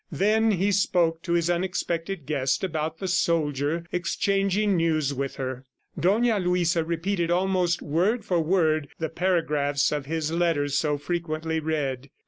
Then he spoke to his unexpected guest about the soldier, exchanging news with her. Dona Luisa repeated almost word for word the paragraphs of his letters so frequently read.